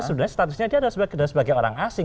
sebenarnya statusnya dia sebagai orang asing